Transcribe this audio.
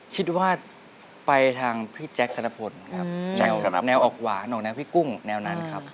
คิดว่าไปทางพี่แจ๊คธนพลครับแนวออกหวานออกแนวพี่กุ้งแนวนั้นครับ